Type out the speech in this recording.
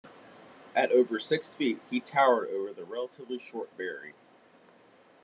At over six feet, he towered over the relatively short Barry.